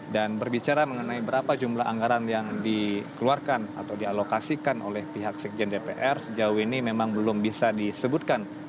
dan berbicara mengenai berapa jumlah anggaran yang dikeluarkan atau dialokasikan oleh pihak sekjen dpr sejauh ini memang belum bisa disebutkan